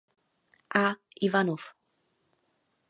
A. Ivanov.